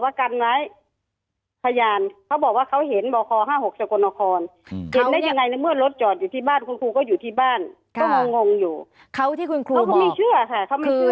เขาก็ไม่เชื่อค่ะเขาไม่เชื่อ